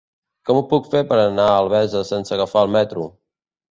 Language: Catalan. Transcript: Com ho puc fer per anar a Albesa sense agafar el metro?